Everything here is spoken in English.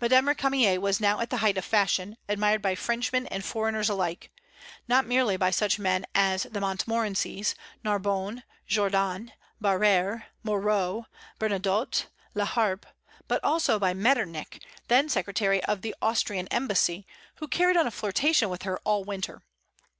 Madame Récamier was now at the height of fashion, admired by Frenchmen and foreigners alike; not merely by such men as the Montmorencys, Narbonne, Jordan, Barrère, Moreau, Bernadotte, La Harpe, but also by Metternich, then secretary of the Austrian embassy, who carried on a flirtation with her all winter.